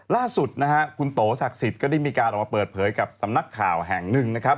ล่าสุดนะฮะคุณโตศักดิ์สิทธิ์ก็ได้มีการออกมาเปิดเผยกับสำนักข่าวแห่งหนึ่งนะครับ